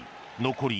残り